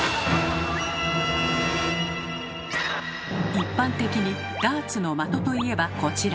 一般的にダーツのまとと言えばこちら。